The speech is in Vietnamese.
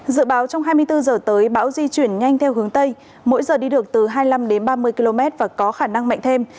dự báo trong hai mươi bốn h tới bão di chuyển nhanh theo hướng tây mỗi giờ đi được từ hai mươi năm đến ba mươi km và có khả năng mạnh thêm